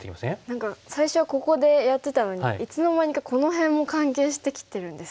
何か最初はここでやってたのにいつの間にかこの辺も関係してきてるんですね。